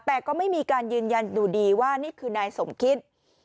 แต่ก็ไม่มีการยืนยันอยู่ดีว่านี่คือนายสมคิต